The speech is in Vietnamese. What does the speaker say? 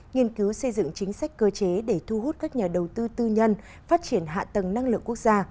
nghiên cứu xây dựng chính sách cơ chế để thu hút các nhà đầu tư tư nhân phát triển hạ tầng năng lượng quốc gia